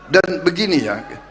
dan begini ya